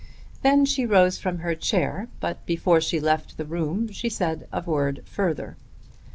Then she rose from her chair; but before she left the room she said a word further.